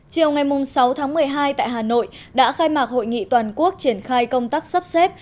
chiều ngày sáu tháng một mươi hai tại hà nội đã khai mạc hội nghị toàn quốc triển khai công tác sắp xếp